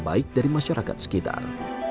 baik dari masyarakat sekitar